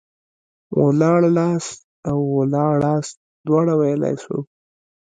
ولاړلاست او ولاړاست دواړه ويلاى سو.